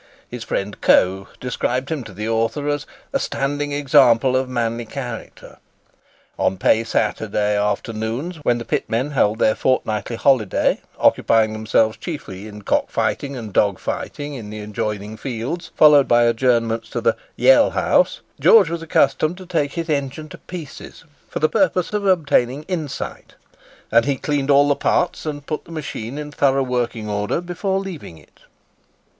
His friend Coe described him to the author as "a standing example of manly character." On pay Saturday afternoons, when the pitmen held their fortnightly holiday, occupying themselves chiefly in cock fighting and dog fighting in the adjoining fields, followed by adjournments to the "yel house," George was accustomed to take his engine to pieces, for the purpose of obtaining "insight," and he cleaned all the parts and put the machine in thorough working order before leaving it.